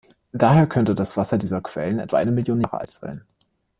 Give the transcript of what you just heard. Daher könnte das Wasser dieser Quellen etwa eine Million Jahre alt sein.